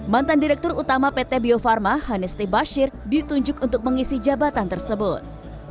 mantan direktur utama pt bio farma hanesti bashir ditunjuk untuk mengisi jabatan tersebut